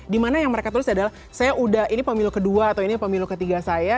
dimana yang mereka tulis adalah saya udah ini pemilu kedua atau ini pemilu ketiga saya